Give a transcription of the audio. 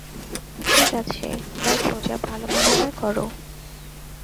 ঠিক আছে, দেখো যা ভালো মনে হয় করো।